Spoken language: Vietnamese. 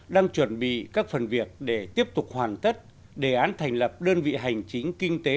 đang chuẩn bị các phần việc để tiếp tục hoàn tất đề án thành lập đơn vị hành chính kinh tế